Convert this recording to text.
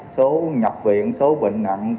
số nhập viện số bệnh nặng